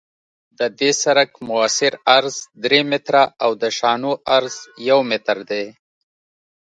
د دې سرک مؤثر عرض درې متره او د شانو عرض یو متر دی